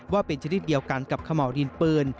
ว่าเป็นชนิดเดียวกันกับขม่าวดินปืน